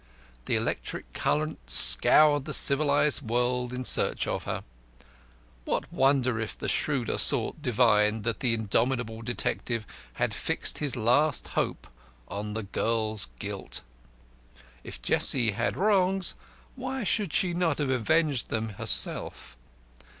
The electric current scoured the civilised world in search of her. What wonder if the shrewder sort divined that the indomitable detective had fixed his last hope on the girl's guilt? If Jessie had wrongs why should she not have avenged them herself?